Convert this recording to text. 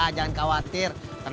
kayaknya dalam perangkat yah